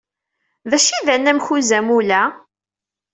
D acu ay d anamek n uzamul-a?